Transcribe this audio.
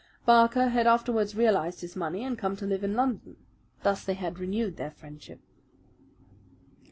Barker had afterwards realized his money and come to live in London. Thus they had renewed their friendship.